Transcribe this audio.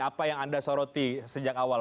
apa yang anda soroti sejak awal